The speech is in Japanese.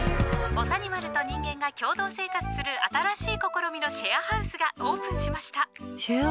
ぼさにまると人間が共同生活する新しい試みのシェアハウスがオープンしました。